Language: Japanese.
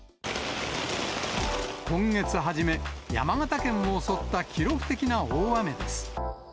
今月初め、山形県を襲った記録的な大雨です。